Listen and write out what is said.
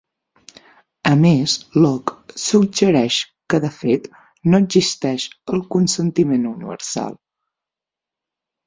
A més, Locke suggereix que de fet no "existeix" el consentiment universal.